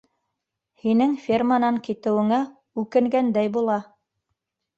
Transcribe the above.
Һинең ферманан китеүеңә үкенгәндәй була.